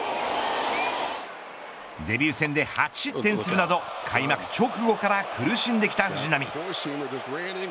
デビュー戦で８失点するなど開幕直後から苦しんできた藤浪。